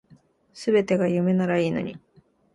全てが夢ならいいのに